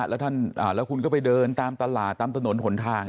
แล้วคุณก็ไปเดินตามตลาดตามถนนหนทาง